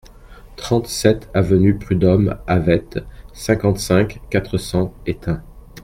trente-sept avenue Prud'Homme Havette, cinquante-cinq, quatre cents, Étain